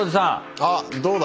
あどうだ？